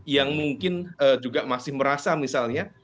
yang mungkin juga masih merasa misalnya